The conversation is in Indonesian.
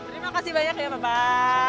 terima kasih banyak ya bapak